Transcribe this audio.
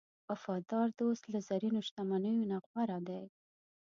وفادار دوست له زرینو شتمنیو نه غوره دی.